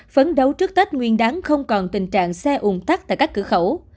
phấn đấu trước tết nguyên đáng không còn tình trạng xe ủn tắc tại các cửa khẩu